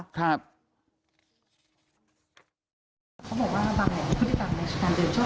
เขาบอกว่าบางแห่งผู้ที่กลับแมงชะกันเดินชอบเดินคอข้าง